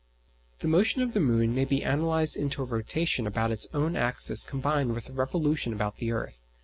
The motion of the moon may be analyzed into a rotation about its own axis combined with a revolution about the earth.